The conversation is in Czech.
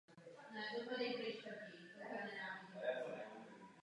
Zadruhé, v Gruzii je třeba vytvořit skutečnou vícestrannou mírovou misi.